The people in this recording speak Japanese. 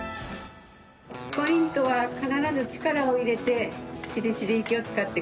ポイントは必ず力を入れてしりしり器を使ってください。